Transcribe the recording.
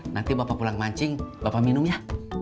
nanti bapak pulang mancing bapak minum ya